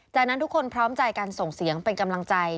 จากนั้นทุกคนพร้อมใจกันส่งเสียงเป็นกำลังใจ